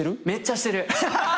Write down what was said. めっちゃしてる。